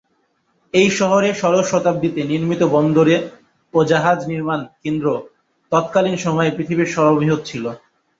এই শহরে ষোড়শ শতাব্দীতে নির্মিত বন্দর ও জাহাজ নির্মাণ কেন্দ্র তৎকালীন সময়ে পৃথিবীর সর্ববৃহৎ ছিল।